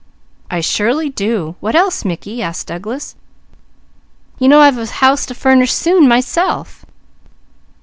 "I surely do! What else Mickey?" asked Douglas. "You know I've a house to furnish soon myself."